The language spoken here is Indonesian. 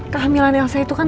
kehamilan elsa itu kan